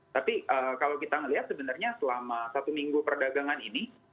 tapi kalau kita melihat sebenarnya selama satu minggu perdagangan ini